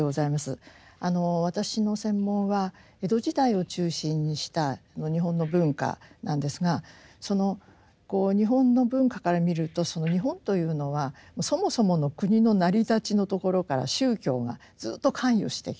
私の専門は江戸時代を中心にした日本の文化なんですがその日本の文化から見ると日本というのはそもそもの国の成り立ちのところから宗教がずっと関与してきた。